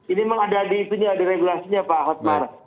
ini memang ada di regulasinya pak watmar